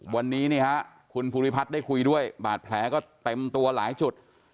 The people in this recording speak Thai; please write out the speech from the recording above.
วันนี้คุณภูริพัฒน์ได้คุยด้วยบาดแผลก็เต็มตัวหลายจุด